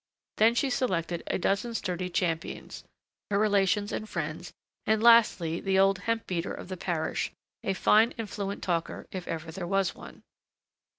Then she selected a dozen sturdy champions, her relations and friends; and, lastly, the old hemp beater of the parish, a fine and fluent talker, if ever there was one.